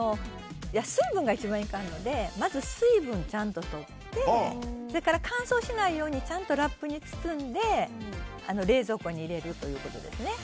水分が一番いかんのでまず水分をちゃんととってそれから乾燥しないようにちゃんとラップに包んで冷蔵庫に入れるということですね。